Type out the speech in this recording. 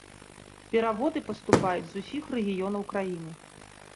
Пераводы паступаюць з усіх рэгіёнаў краіны.